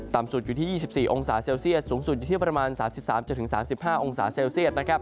ต่ำสุดอยู่ที่๒๔องศาเซลเซียสสูงสุดจะถึงประมาณ๓๓๓๕องศาเซลเซียส